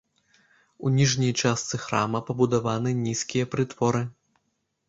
У ніжняй частцы храма пабудаваны нізкія прытворы.